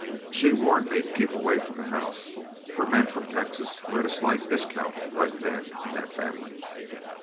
She warned me to keep away from the house, for men from Texas were at a slight discount right then in that family.